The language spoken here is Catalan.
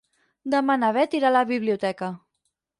Demà na Bet irà a la biblioteca.